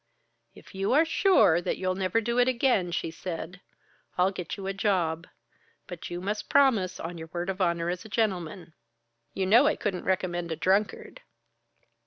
"If you are sure that you'll never do it again," she said, "I'll get you a job. But you must promise, on your word of honor as a gentleman. You know I couldn't recommend a drunkard."